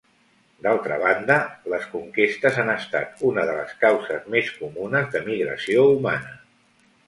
D'altra banda, les conquestes han estat una de les causes més comunes de migració humana.